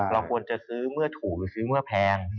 เราควรจะซื้อเมื่อถูกหรือซื้อเมื่อแพง